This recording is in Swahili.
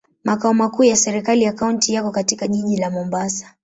Makao makuu ya serikali ya kaunti yako katika jiji la Mombasa.